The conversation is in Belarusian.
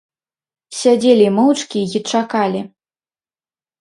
Сядзелі моўчкі й чакалі.